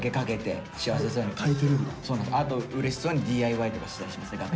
あとうれしそうにＤＩＹとかしてたりしますね楽屋で。